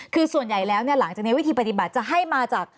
คือส่วนใหญ่แล้วหลังจากนี้วิธีปฏิบัติจะให้มาจาก